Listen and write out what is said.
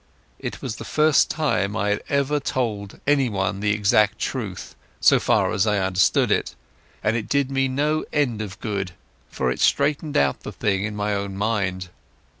It was the first time I had ever told anyone the exact truth, so far as I understood it, and it did me no end of good, for it straightened out the thing in my own mind.